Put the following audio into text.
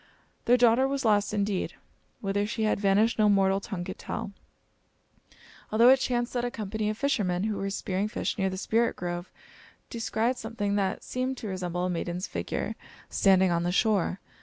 Their daughter was lost indeed. Whither she had vanished no mortal tongue could tell; although it chanced that a company of fishermen, who were spearing fish near the Spirit Grove, descried something that seemed to resemble a maiden's figure standing on the shore.